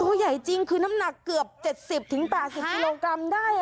ใหญ่จริงคือน้ำหนักเกือบ๗๐๘๐กิโลกรัมได้